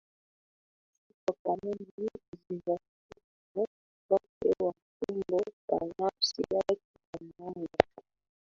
sifa kwa Mungu Uzingatifu wake wa fumbo la nafsi yake ambamo